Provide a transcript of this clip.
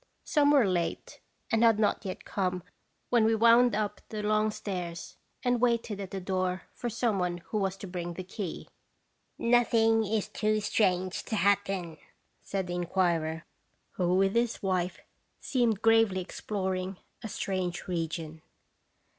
Some were late, and had not yet come when we wound up the long stairs, and waited at the door for some one who was to bring the key. " Nothing is too strange to happen/' said the inquirer, who, with his wife, seemed tlje gravely exploring a strange region.